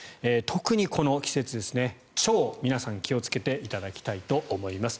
特にこの季節腸、皆さん気をつけていただきたいと思います。